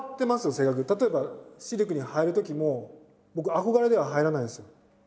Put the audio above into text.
例えばシルクに入るときも僕憧れでは入らないんですよ。